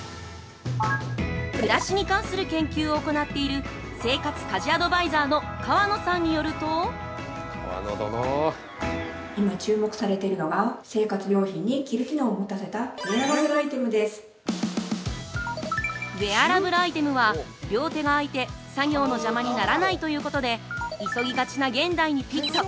暮らしに関する研究を行っている生活家事アドバイザーの河野さんによると◆ウェアラブルアイテムは両手が空いて作業の邪魔にならないということで急ぎがちな現代にフィット。